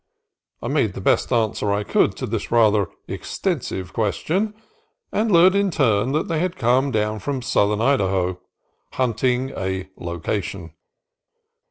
I made the best answer I could to this rather exten sive question, and learned in turn that they had come down from southern Idaho, "hunting a location."